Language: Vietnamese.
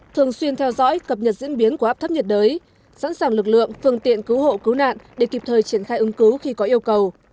thường xuyên theo dõi cập nhật diễn biến của áp thấp nhiệt đới sẵn sàng lực lượng phương tiện cứu hộ cứu nạn để kịp thời triển khai ứng cứu khi có yêu cầu